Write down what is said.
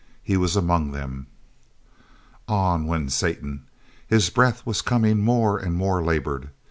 He was among them. On went Satan. His breath was coming more and more laboured.